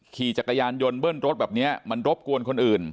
ขี่จักรยานยนต์เบิ้ลรถแบบนี้มันรบกวนคนอื่น